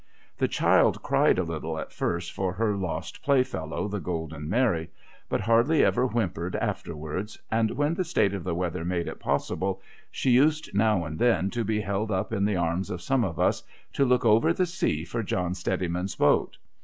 The child cried a little at first for her lost playfellow, the Golden Mary ; but hardly ever whimpered afterwards ; and when the state of the weather made it possible, she used now and then to be held up in the arms of some of us, to look over the sea for John Steadiman's boat.